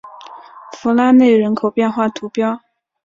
弗拉内人口变化图示